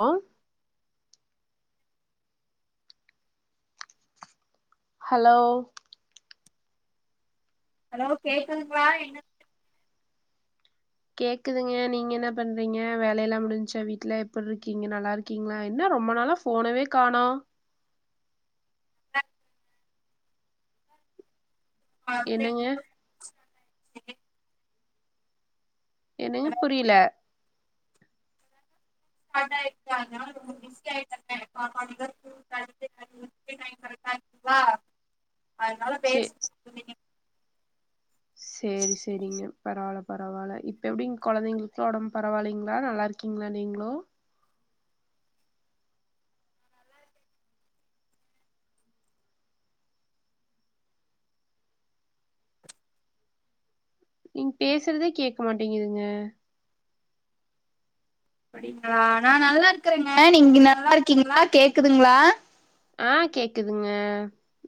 ஹோ hello hello கேக்குதுங்ளா என்ன கேக்குதுங்க நீங்க என்ன பண்றீங்க வேலைய எல்லாம் முடிஞ்சா வீட்ல எப்படி இருக்கீங்க நல்லா இருக்கீங்களா என்ன ரொம்ப நாளா போனவே காணோம் ஆ என்னங்க [inaudible] என்னங்க ஆயிருக்கு புரியல [inaudible] அதனால பேர்ச்ச சேர் செரிங்க பரவால்ல பரவால்ல இப்ப எப்டிங் குழந்தைங்களுக்குள்ளா உடம்பு பரவால்லிங்களா நல்லா இருக்கீங்களா நீங்களோ நீங்க பேசுறதே கேக்க மாட்டேங்குதுங்க அப்படிங்களா நா நல்லா இருக்கறங்க நீங்க நல்லா இருக்கீங்களா கேக்குதுங்களா ஆஹ் கேக்குதுங்க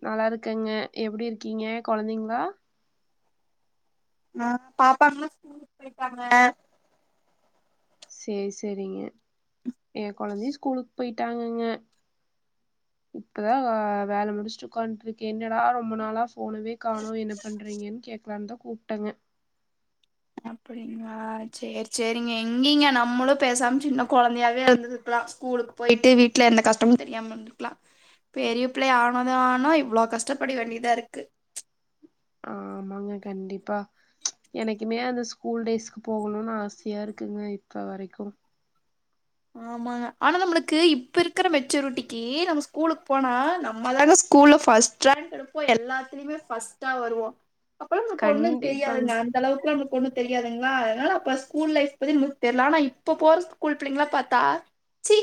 நல்லா இருக்கங்க எப்படி இருக்கீங்க குழந்தைங்களா ஆஹ் பாப்பாகல்லா ஸ்கூல் போயிருகாங்க சேரி செரிங்க எ குழந்தையு ஸ்கூலுக்கு போயிட்டாங்கங்க இப்பதா வேல முடிச் சுக்காண்ட்ருக்க என்னடா ரொம்ப நாளாப் போனவே காணோ என்ன பண்றீங்கன்னு கேட்கலான்தா கூப்டங்க அப்படிங்களா சேர் செரிங்க எங்கிங்க நம்மளு பேசாம சின்ன குழந்தையாவே இருந்திருக்கலா ஸ்கூலுக்கு போயிட்டு வீட்டுல எந்த கஷ்டமு தெரியாம இருந்திருக்கலா பெரிய புள்ளையா ஆனது ஆனோ இவ்வளோ கஷ்டப்பட வேண்டியதா இருக்கு ஆமாங்க கண்டிப்பா எனக்குமே அந்த ஸ்கூல் டேஸ்க்கு போகணுனு ஆசையா இருக்கு குங்க இப்ப வரைக்கு ஆமாங்க ஆனா நம்மளுக்கு இப்ப இருக்கிற மெச்சூரிட்டிக்கு நம்ம ஸ்கூலுக்கு போனா நம்ம தாக ஸ்கூல்ல பர்ஸ்ட் ரங்க் எடுப்போ எல்லாத்துலயுமே ஃபர்ஸ்ட்டா வருவோ அப்லா நக்கு ஒண்ணு கண்டிப்பாங்க தெரியாதுங்க அந்த அளவுக்குலா ஒண்ணு தெரியாதுங்களா அதனால அப்ப ஸ்கூல் லைஃப் பத்தி நமுக் தெர்ல ஆனா இப்போ போற ஸ்கூல் பிள்ளைங்களா பாத் தா சீ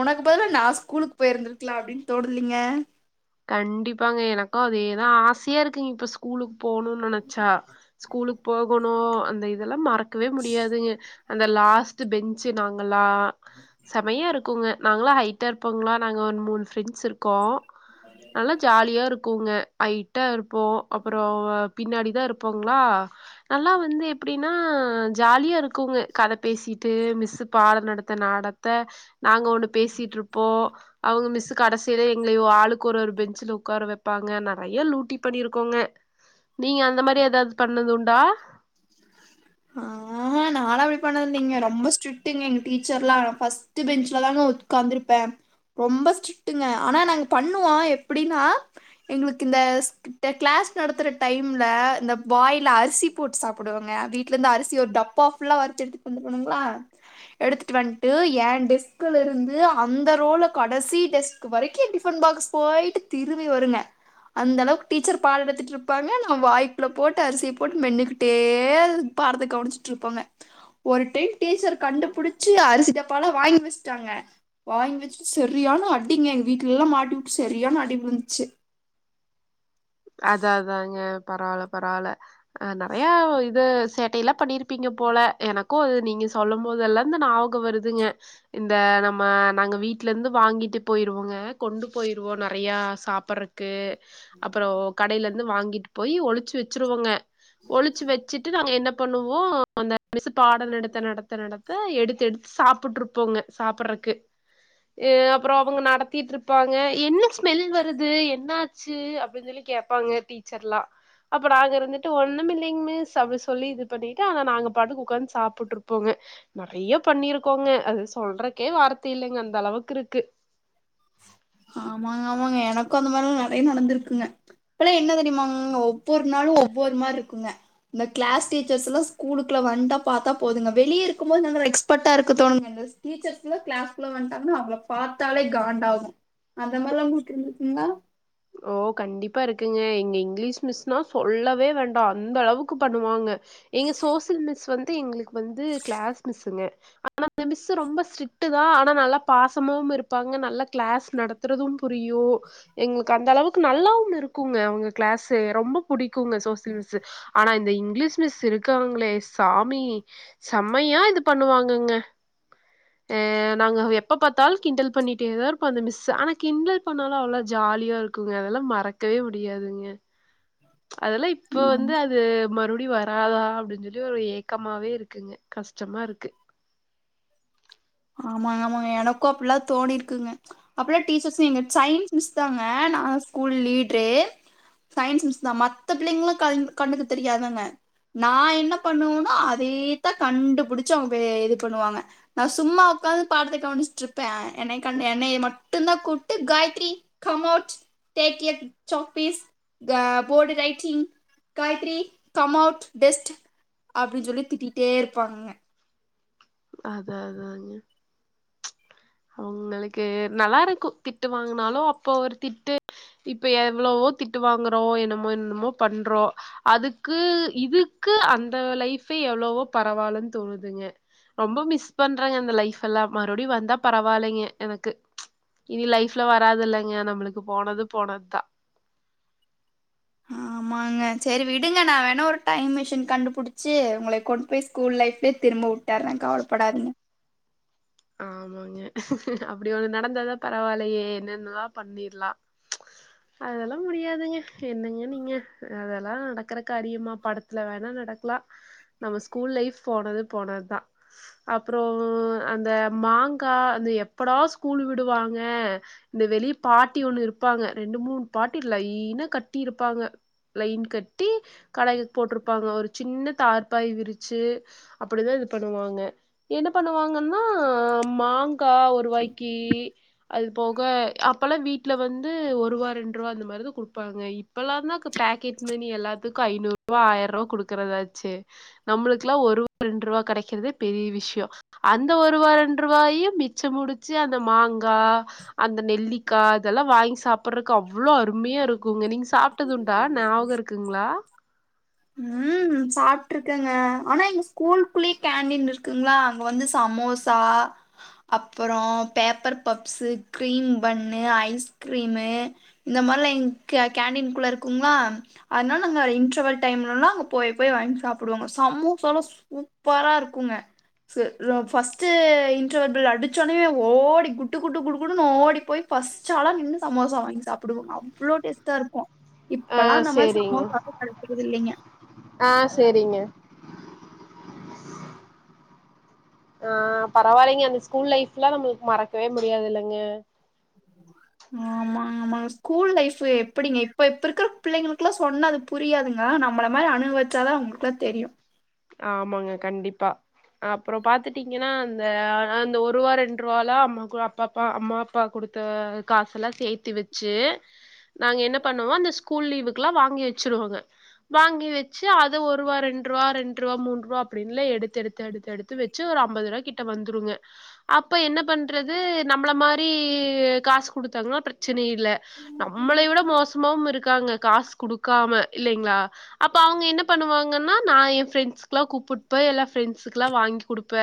உனக்கு பதில நா ஸ்கூலுக்கு போயிருந்திருக்கலா அப்டின்னு தோனுலீங்க கண்டிப்பாங்க எனக்கு அதேதா ஆசையா இருக்குங்க இப்ப ஸ்கூலுக்கு போகணுனு நனைச்சா ஸ்கூலுக்கு போகோன் னோ அந்த இதெல்லாம் மறக் க்கவே முடியாதுங்க அந்த லாஸ்ட்டு பெஞ்சு நாங்களா செமையா இருக்குங்க நாங்களா ஹைட்டா இருப்போங்களா நாங்க ஒரு மூணு ஃப்ரெண்ட்ஸ் இருக்கோ நல்லா ஜாலியா இருக் குங்க ஐட்டா இருக் போ அப்ரோ பின்னாடி தா இருப்போங்களா நல்லா வந்து எப்படின்னா ஜாலியா இருக்குங்க கதை பேசிட்டு மிஸ்ஸு பாடம் நடத்த நாடத்த நாங்க ஒண்ணு பேசிட்டு இருப்போ அவங்க மிஸ்ஸு கடைசியில எங்கள ஆளுக்கு க்கோரு ஒரு பெஞ்சுல உட்கார வைப்பாங்க நிறைய லூட்டி பண்ணிருக்கோங்க நீங்க அந்த மாரி ஏதாவது பண்ணது உண்டா ஆ ஹ நானா அப்டி பண்ணதில்லைங்க ரொம்ப ஸ்ட்ரிக்ட்ங்க எங்க டீச்சர்ல்லா ஃபர்ஸ்ட் பெஞ்ச்லதான உட்காந்துருப்பே ரொம்ப ஸ்ட்ரிக்ட்ங்க ஆனா நாங்க பண்ணுவோ எப்டின்னா எங்களுக்கு இந்த ஸ்க்ட் கிளாஸ் நடத்துற டைம்ல இந்த வாய்ல அரிசி போட்டு சாப் புடுவோங்க வீட்ல இருந்து அரிசி ஒரு டப்பா புல்லா வருத்து எடுத்துட்டு வந்துருவனுங்களா எடுத்துட்டு வண்ட்டு என் டெஸ்க்ல இருந்து அந்த ரோல கடைசி டெஸ்க் வரைக்கு என் டிபன் பாக்ஸ் போயிட்டு திரும்பி வருங்க அந்த அளவுக்கு டீச்சர் பாட எடுத்திட்டு இருப்பாங்க நா வாய்க்குள்ள போட்டு அரிசியை போட்டு மென்னுகிட் டே பாடத்த கவனிச்ட்ருப்பாங்க ஒரு டைம் டீச்சர் கண்டுபிடிச்சி அரிசி டப்பால வாங்கி வச்ட்டாங்க வாங்கி வச்ட்டு செரியான அடிங்க எங்க வீட்லெல்லா மாட்டிவுட்டு செரியான அடி வுழுந்துச்சி அத அதாங்க பரவால பரவால அ நறைய இது சேட்டைய எல்லா பண்ணிருப்பீங்க போல எனக்கு அது நீங்க சொல்லு போதெல்லா இந்த ஞாபகம் வருதுங்க இந்த நம்ம நாங்க வீட்ல இருந்து வாங்கிட்டு போயிருவோங்க கொண்டு போயிருவோ நறையா சாப்பறக்கு அப்புற கடையில இருந்து வாங்கிட்டு போய் ஒளிச்சு வச்சிருவோங்க ஒளிச்சு வச்சிட்டு நாங்க என்ன பண்ணுவோஅந்த மிஸ்ஸு பாட நடத்த நடத்த எடுத்து எடுத்து சாப்ட்டு இருப்போங்க சாப்படுறக்கு அப்புற அவங்க நடத்திட்டு இருப்பாங்க என்ன ஸ்மெல் வருது என்னாச்சு அப்டின்னு சொல்லி கேப்பாங்க டீச்சர் எல்லா அப்ப நாங்க இருந்துட்டு ஒண்ணு இல்லைங்க மிஸ் அப்ப சொல்லி இது பண்ணிட்டு ஆனா நாங்க பாட்டுக்கு உட்க்கார்ந்து சாப்பிட்டு இருப்போங்க நறைய பண்ணிருக்கோங்க அது சொல்றக்கே வார்த் தி இல்லைங்க அந்த அளவுக்கு இருக்கு ஆமாங்க ஆமாங்க எனக்கு அந்த மாறிலா நறைய நடந்திருக்குங்க அப்பல்லா என்ன தெரியுமாங்க ஒவ்வொரு நாளு ஒவ்வொரு மாரி இருக்குங்க இந்த கிளாஸ் டீச்சர்ஸ் எல்லா ஸ்கூலுக்குள்ள வந்தா பார்த்தா போதுங்க வெளியே இருக்கு போது நாங்க எக்ஸ்பர்ட்டா இருக்க தோணுங்க இந்த டீச்சர்ல்லா கிளாஸ் குள்ள வன்டாங்கன்னா அவங் பார்த்தாலே காண்டா டாகும் அத மாதிரிலா உங்களுக்கு இருந்துருக்குங்களா ஓ கண்டிப்பா இருக்குங்க எங்க இங்கிலீஷ் மிஸ்னா சொல்லவே வேண்டா அந்த அளவுக்கு பண்ணுவாங்க எங்க சோசியல் மிஸ் வந் எங்களுக்கு வந்து கிளாஸ் மிஸ்ங்க ஆனா அந்த மிஸ்ஸு ரொம்ப ஸ்ட்ரிட் தா ஆனா நல்ல பாசமாவு இருப்பாங்க நல்ல கிளாஸ் நடத்துறது புரியு எங்களுக்கு கந்த அளவுக்கு நல்லாவு இருக்குங்க அவங்க கிளாஸ்ஸு ரொம்ப புடிக் குங்க சோசியல் மிஸ்ஸு ஆனா இந்த இங் இங்கிலீஷ் மிஸ் இருக்காங்களே சாமி செம்மையா இது பண்ணுவாங்கங்க அ நாங்க எப்ப பாத்தாலு கிண்டல் பண்ணிட்டே தா இருப்போ அந்த மிஸ்ஸ ஆனா கிண்டல் பண்ணாலு அவ்ளோ ஜாலி யா இருக்குங்க அதெல்லா மறக்கவே முடியாதுங்க அதெல்லா இப்ப ஆமா வந்து அது மறு ப்டி வராதா அப்டின் சொல்லி ஒரு ஏக்கமாவே இருக்குங்க கஷ்டமா இருக்கு ஆமாங்க ஆமாங்க எனக்கு அப்பல்லா தோணிருக்குங்க அப்பல்லா டீச்சர்ஸ் எங்க சயின்ஸ் மிஸ் தாங்க நா ஸ்கூல் லீட்ரு சயின்ஸ் மிஸ் தான் மத்த பிள்ளைங்களு கண் கண்ணுக்கு தெரியாதுங்க நான் என்ன பண்ணுவனோ அதேத்தா கண்டுபிடிச்சு அவங்க இது பண்ணுவாங்க நான் சும்மா உக்காந்து பாடத்தை கவனிச்சட்டு இருப்பே என்னய கண்ட என்னய மட்டுதா கூப்ட்டு Gayathri come out take a chalk piece ஹ போடு writing Gayathri come out test அப்டின்னு சொல்லி திட்டிட்டே இருப்பாங்க அதா அதாதாங்க அவுங்களுக்கு நல்லா இருக்கு திட்டு வாங்குனாலு அப்போ ஒரு திட்டு இப்ப எவ்ளவோ திட்டு வாங்குறோ என்னமோ என்மோ பண்றோ அதுக்கு இதுக்கு அந்த லைஃபே எவ்ளவோ பரவால்லன் தோணுதுங்க ரொம்ப மிஸ் பண்றங்க அந்த லைஃப் எல்லா மறுபடியு வந்தா பரவாயில்லைங்க எனக்கு இனி லைஃப்ல வராதுல்லைங்க நம்மளுக்கு போனது போனதுதா ஆமாங்க சரி விடுங்க நா வேணா ஒரு டைம் மிஷின் கண்டுபுடிச்சு உங்களைய கொண்டு போய் ஸ்கூல் லைஃப்லயே திரும்ப உட்டர்றே கவலப்படாதீங்க ஆமாங்க அப்டி ஒண்ணு நடந்தாதா பரவாயில்லையே என்னன்னுலா பண்ணிரலா அதெல்லா முடியாதுங்க என்னங்க நீங்க அதெல்லா நடக்கற காரியமா படத்துல வேணா நடக்கலா நம்ம ஸ்கூல் லைஃப் போனது போனதுதா அப்புற அந்த மாங்கா அந்த எப்படா ஸ்கூல் விடுவாங்க இந்த வெளிய பாட்டி ஒண்ணு இருப்பாங்க ரெண்டு மூணு பாட்டி லைனா கட்டி இருப்பாங்க லைன் கட்டி கடைகள் போட்ருப்பாங்க ஒரு சின்ன தார்பாய் விரிச்சு அப்படிதா இது பண்ணுவாங்க என்ன பண்ணுவாங்கன்னா அ மாங்கா ஒருவாய்க்கி அது போக அப்பல்லா வீட்ல வந்து ஒருவா ரெண்டு ரூவா அந்த மாரிதா கொடுப்பாங்க இப்பல்லா தான் பாக்கெட் மணி எல்லாத்துக்கு ஐநூறு ரூவா ஆயிர ரூவா குடுக்கறதாச்சு நம்மளுக்குல்லா ஒருவா ரெண்டு ரூவா கடைக்கிறதே பெரிய விஷய அந்த ஒரு ஒருவா ரெண்டு ரூவாயு மிச்சம் புடிச்சு அந்த மாங்கா அந்த நெல்லிக்கா இதெல்லா வாங்கி சாப்டுறக்கு அவ்ளோ அருமையா இருக் குங்க நீங்க சாப்ட்டதுண்டா ஞாவக இருக்குங்களா ம் சாப்ட்டு இருக்கங்க ஆனா எங்க ஸ்கூல்குள்ளயே கேண்டீன் இருக்குங்களா அங்க வந்து சமோசா அப்புற paper puffs cream bun ice cream இந்த மாரிலா எங்க கேண்டின் குள்ள இருக்குங்களா அதனால நாங்க இன்டர்வல் டைம்ல எல்லா அங்க போய் போய் வாங்கி சாப்டுவாங்க சமோசாலா சூப்பரா இருக்குங்க ஃபர்ஸ்ட்டு இன்டர்வல் பெல் அடிச்ச உன்னே ஓடி குட்டு குட்டு குடு குடுன்னு ஓடி போய் ஃபர்ஸ்ட் ஆளா நின்னு சமோசா வாங்கி சாப்டுவோங்க அவ்ளோ டேஸ்ட்டா இருக்கு ஆ இப்பல்லா அந்த மாரி சரிங்க சம்பவம் [inaudible] ஆ சரிங்க [inaudible] ஆ பரவாயில்லைங்க அந்த ஸ்கூல் லைஃப்லா நம்மளுக்கு மறக்கவே முடியாது இல்லங்க ஆமா ஆமாங்க ஸ்கூல் லைஃபு எப்படிங்க இப்ப இப்பருக்கிற பிள்ளைங்களுக்குலாம் சொன்னா அது புரியாதுங்க நம்மளை மாரி அனுபவச்சாதா அவங்களுக்குலா தெரியு ஆமாங்க கண்டிப்பா அப்புற பாத்துட்டீங்கனா அந்த அந்த ஒரு ரூவா ரெண்டு ரூவாலா அம்மா அப்பப்ப அம்மா அப்பா குடுத்த காசுலா சேத்து வச்சு நாங்க என்ன பண்ணுவோ அந்த ஸ்கூல் லீவுக்குலா வாங்கி வச்சிருவோங்க வாங்கி வச்சு அத ஒரு ரூவா ரெண்ரூவா ரெண் ரூவா மூண் ரூவா அப்படின்ல எடுத்து எடுத்து எடுத்து எடுத்து வச்சு ஒரு ஐம்பது ரூவா கிட்ட வந்துடுங்க அப்ப என்ன பண்றது நம்ள மாரீ காசு கொடுத்தாங்கனா பிரச்சனையே ல நம்மளை விட மோசமாவும் இருக்குல இருக்காங்க காஸ் குடுக்காம இல்லைங்ளா அப்ப அவங்க என்ன பண்ணுவாங்கன்னா நா என் ஃப்ரெண்ட் லா கூப்பிட்டுபோய் எலாம் ஃப்ரெண்ட்ஸ்கல வாங்கி கொடுப்ப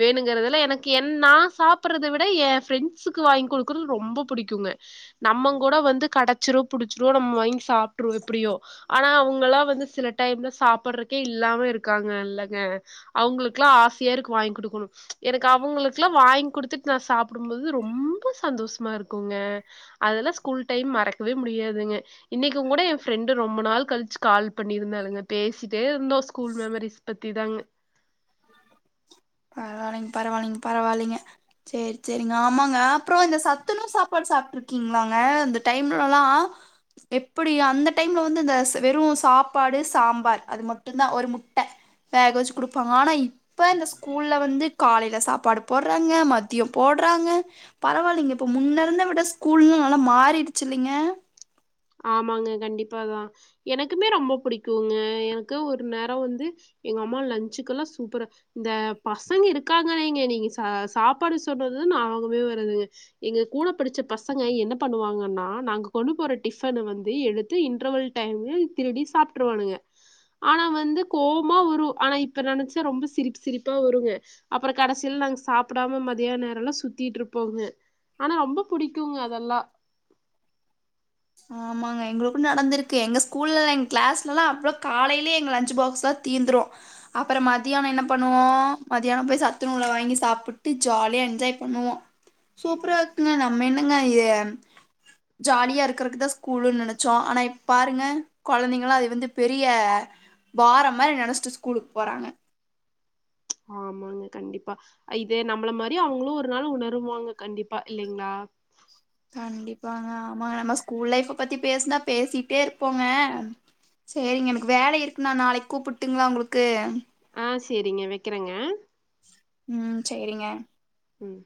வேணுங்கறதெல்ல எனக்கு என்ன நா சாப்பறதை விட என் ஃப்ரெண்ட்ஸுக்கு வாங்கி கொடுக்குறது ரொம்ப பிடிக்குங்க நம்பங் கூட வந்து கடைச்சிரோ புடிச்சிரோ நம்ம வாங்கி சாப்பிடுறுவோ எப்படியோ ஆனா அவங்கலா வந்து சில டைம்ல சாப்படுறக்கே இல்லாம இருக்கு க்கங்க இல்லங்க அவங்களுக்குெல்லாம் ஆசையா இருக்கு வாங்கி கொடுக்கணு எனக்கு அவங்களுக்குல்லா வாங்கி குடுத்துட்டு நா சாப்டும் போது ரொம்ப சந்தோஷமா இருக்குங்க அதெல்லாம் ஸ்கூல் டைம் மறக்கவே முடியாதுங்க இன்னைக்கும் கூட என் ஃப்ரெண்டு ரொம்ப நாள் கழிச்சு கால் பண்ணி இருந்தாளுங்க பேசிட்டே இருந்தோ ஸ்கூல் மம ரிஸ்பத்தி தாங்க பரவில்லைங்க பரவாயில்லைங்க பரவாயில்லைங்க செரி செரிங்க ஆமாங்க அப்ரோ இந்த சத்துணுவு சாப்பாடு சாப்பிட்டு இருக்கீங்களாங்க அந்த டைம்லல்லா எப்படி அந்த டைம்ல வந்து இந்த வெறும் சாப்பாடு சாம்பார் அது மட்டும் தா ஒரு முட்ட வேக வச்சு குடுப்பாங்க ஆனா இப்ப இந்த கூல்ல வந்து காலையில சாப்பாடு போடுறாங்க மதியம் போடுறாங்க பரவாயில்லைங்க இப்ப முன்ன இருந்த விட ஸ்கூல்ல்லா நல்லா மாறிடுச்சுல்லங்க ஆமாங்க கண்டிப்பாதா எனக்குமே ரொம்ப பிடிக்குங்க எனக்கு ஒரு நேரம் வந்து எங்க அம்மா லன்ச்சுக்குலாம் சூப்பரா இந்த பசங்க இருக்காங்கன்னேங்க நீங்க ச சாப்பாடு சொன்னது நாபகமே வருது எங்க கூட படிச்ச பசங்க என்ன பண்ணுவாங்கன்னா நாங்க கொண்டு போற டிஃப்பன வந்து எடுத்து இன்டர்வல் டைம் திருடி சாப்பிட்டுருவானுங்க ஆனா வந்து கோவமா வரு ஆனா இப்ப நினைச்சா ரொம்ப சிரிப்பு சிரிப்பா வருங்க அப்ரோ கடைசியில நாங்க சாப்பிடாம மதியான நேரம் எல்லாம் சுத்திட்டு இருப்போங்க ஆனா ரொம்ப புடிக்குங்க அதெல்லா ஆமாங்க எங்களுக்கு நடந்திருக்கு எங்க ஸ்கூல்ல எங்க கிளாஸ்லா அ்வ்ளோ காலையிலய எங்க லஞ்ச பாக்ஸ் எல்லா தீர்ந்துரு அப்ரோ மதியானோ என்ன பண்ணுவோ மதியானோ போய் சத்துணூல வாங்கி சாப்பிட்டு ஜாலியா என்ஜாய் பண்ணுவோ சூப்பரா இருக்குங்க நம்ம என்னங்க இது ஜாலியா இருக்கு இருக்றதா ஸ்கூலன்னு நினைச்சோம் ஆனா இப்பாருங்க கொழந்தைகலா அது வந்து பெரிய பாரம் மாரி நெனைச்சிட்டு ஸ்கூலுக்கு போறாங்க ஆமாங்க கண்டிப்பா இத நம்மள மாரி அவுங்களோ ஒரு நாள் உணருவாங்க கண்டிப்பா இல்லைங்களா கண்டிப்பாங்க ஆமாங்க நம்ம ஸ்கூல் லைஃப் பத்தி பேசுனா பேசிட்டே இருப்போங்க சரிங்க எனக்கு வேலை இருக்குண்ணா நாளைக்கு கூப்பிட்டுங்களா உங்களுக்கு ஆ செரிங்க வெக்கேறங்க ம் செரிங்க ம்